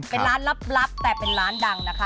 เป็นร้านลับแต่เป็นร้านดังนะคะ